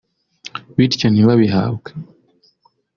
bityo ntibabihabwe